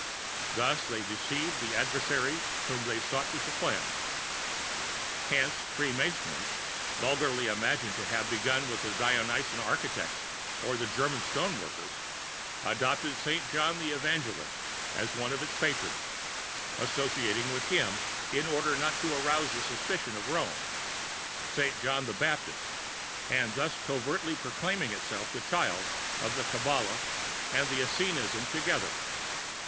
Thus they deceived the adversaries whom they sought to supplant. Hence Free Masonry, vulgarly imagined to have begun with the Dionysian Architects or the German Stone workers, adopted Saint John the Evangelist as one of its patrons, associating with him, in order not to arouse the suspicions of Rome, Saint John the Baptist, and thus covertly proclaiming itself the child of the Kabalah and Essenism together."